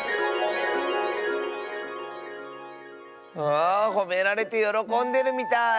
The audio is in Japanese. あほめられてよろこんでるみたい。